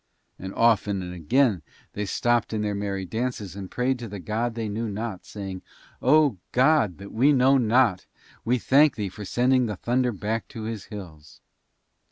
And often and again they stopped in their merry dances and prayed to the God they knew not, saying, "O, God that we know not, we thank Thee for sending the thunder back to his hills."